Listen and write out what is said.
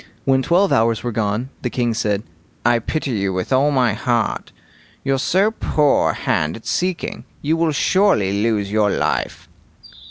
When twelve hours were gone, the king said: "I pity you with all my heart. You're so poor a hand at seeking; you will surely lose your life."